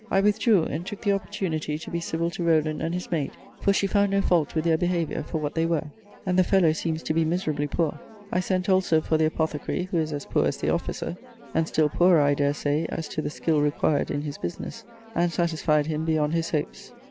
I withdrew; and took the opportunity to be civil to Rowland and his maid; for she found no fault with their behaviour, for what they were; and the fellow seems to be miserably poor. I sent also for the apothecary, who is as poor as the officer, (and still poorer, I dare say, as to the skill required in his business,) and satisfied him beyond his hopes.